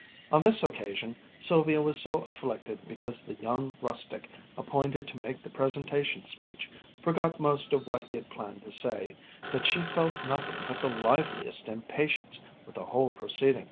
On this occasion Sylvia was so afflicted because the young rustic appointed to make the presentation speech, forgot most of what he had planned to say, that she felt nothing but the liveliest impatience with the whole proceeding.